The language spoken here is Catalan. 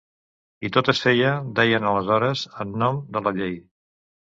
I tot es feia, deien aleshores, en nom de la llei.